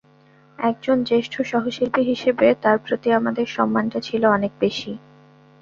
একজন জ্যেষ্ঠ সহশিল্পী হিসেবে তাঁর প্রতি আমাদের সম্মানটা ছিল অনেক বেশি।